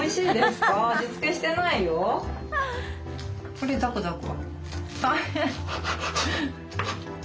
これザクザク。